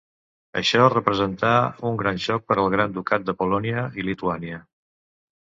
Això representà un gran xoc per al Gran Ducat de Polònia i Lituània.